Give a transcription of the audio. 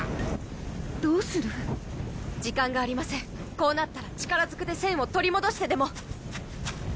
こうなったら力ずくで栓を取り戻してでも。